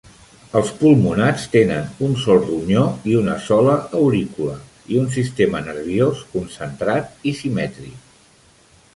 Els pulmonats tenen un sol ronyó i una sola aurícula, i un sistema nerviós concentrat i simètric.